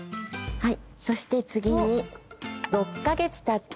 はい。